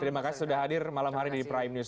terima kasih sudah hadir malam hari di prime news